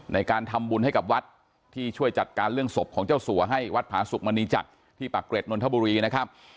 ในการทำบุญให้กับวัดที่ช่วยจัดการเรื่องศพของเจ้าสัวให้วัดผาสุกมณีจักรที่ปากเกร็ดนนทบุรีนะครับ